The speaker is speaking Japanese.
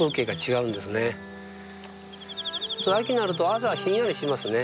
秋になると朝はひんやりしますね。